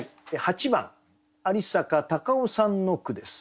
８番有阪貴男さんの句です。